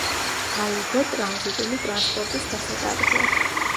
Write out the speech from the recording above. აიგო ტრანზიტული ტრანსპორტის გასატარებლად.